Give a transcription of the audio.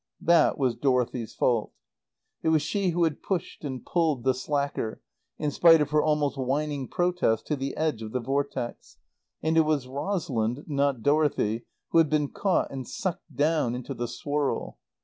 That was Dorothy's fault. It was she who had pushed and pulled the slacker, in spite of her almost whining protest, to the edge of the Vortex; and it was Rosalind, not Dorothy, who had been caught and sucked down into the swirl.